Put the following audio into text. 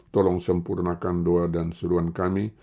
tolong sempurnakan doa dan suruhan kami